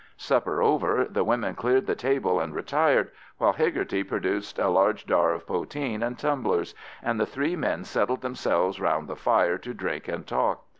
Supper over, the women cleared the table and retired, while Hegarty produced a large jar of poteen and tumblers, and the three men settled themselves round the fire to drink and talk.